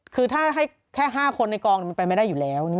คือถ้าให้แค่๕คนในกองมันไปไม่ได้อยู่แล้ว